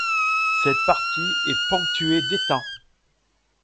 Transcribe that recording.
Cette partie est ponctuée d'étangs.